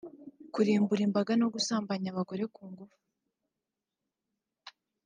kurimbura imbaga no gusambanya abagore ku ngufu